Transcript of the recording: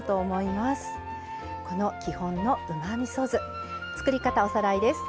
この基本のうまみそ酢作り方おさらいです。